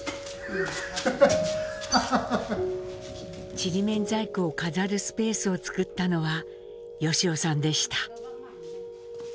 ちりめん細工を飾るスペースを作ったのは由夫さんでした。